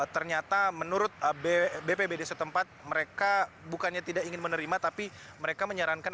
ternyata menurut bpbd setempat mereka bukannya tidak ingin menerima tapi mereka menyarankan